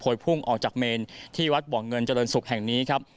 โพยพลุงออกจากเมรินิปุ่นที่วัดป่าเงินเจริญศุกร์แห่งนี้ครับ